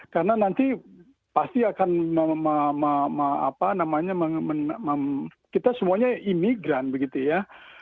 karena nanti pasti akan apa namanya kita semuanya imigran begitu ya